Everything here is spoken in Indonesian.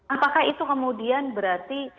apakah itu kemudian berarti